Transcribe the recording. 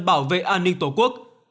bảo vệ an ninh tổ quốc